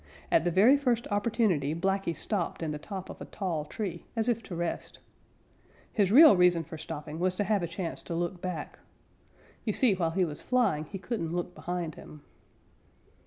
At the very first opportunity Blacky stopped in the top of a tall tree as if to rest. His real reason for stopping was to have a chance to look back. You see, while he was flying he couldn't look behind him.